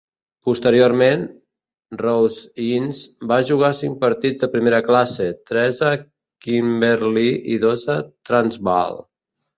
Posteriorment, Rose-Innes va jugar cinc partits de primera classe, tres per a Kimberley i dos per a Transvaal.